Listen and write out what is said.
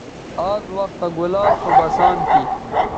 آز وختہ گلاب سو بسان تھی